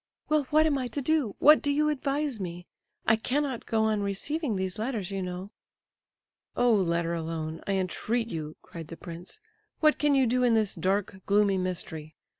"Well, what am I to do? What do you advise me? I cannot go on receiving these letters, you know." "Oh, let her alone, I entreat you!" cried the prince. "What can you do in this dark, gloomy mystery?